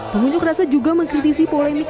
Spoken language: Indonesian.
pengunjuk rasa juga mengkritisi polemik